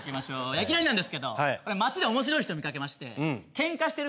いきなりなんですけど街で面白い人見かけましてケンカしてる